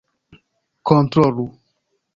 kontrolu